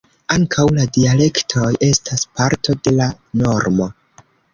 Ankaŭ la dialektoj estas parto de la normo.